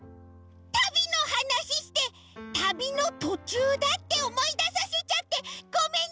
たびのはなしして旅のとちゅうだっておもいださせちゃってごめんなさい！